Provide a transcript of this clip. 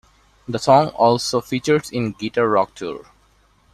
The song also features in Guitar Rock Tour.